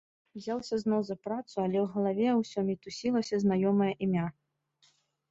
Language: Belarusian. Узяўся зноў за працу, але ў галаве ўсё мітусілася знаёмае імя.